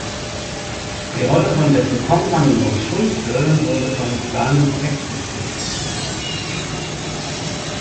Die Rolle von dessen Kompagnon "Schultze" wurde von Simon Pegg gespielt.